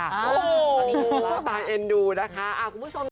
โอ้โหตามเอ็นดูนะคะ